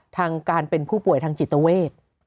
ทางการเป็นผู้ป่วยทางจิตเวท